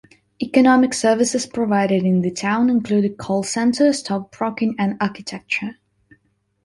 Economic services provided in the town include a call centre, stockbroking and architecture.